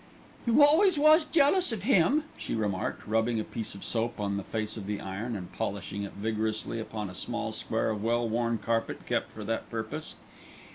"You always was jealous of him," she remarked, rubbing a piece of soap on the face of the iron and polishing it vigorously upon a small square of well worn carpet kept for that purpose.